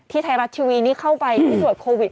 ที่ไทยรัฐทีวีนี่เข้าไปกลับโควิด